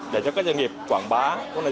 để cho các doanh nghiệp quảng bá